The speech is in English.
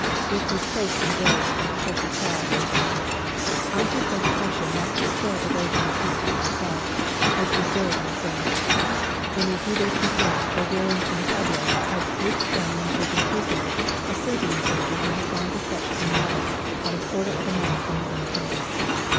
It was close to the village of Topolchar. I had been cautioned not to stray away from the camp by myself, as it was very unsafe ; only a few days before Bulgarian comi tadjes had swooped down and taken 52 A RIDE TO KALABAC prisoner a Serbian soldier who had gone to fetch some water not a quarter of a mile from his own camp.